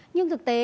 nhưng thực tế